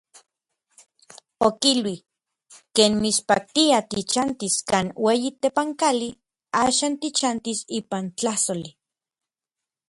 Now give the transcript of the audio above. Okilui: "Ken mitspaktia tichantis kan ueyi tepankali, axan tichantis ipan tlajsoli".